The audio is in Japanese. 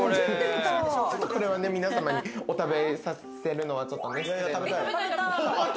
これは皆さまに食べさせるのはちょっと。